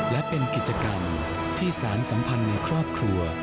และเป็นกิจกรรมที่สารสัมพันธ์ในครอบครัว